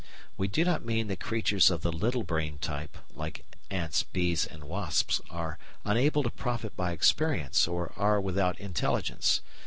We do not mean that creatures of the little brain type, like ants, bees, and wasps, are unable to profit by experience or are without intelligence.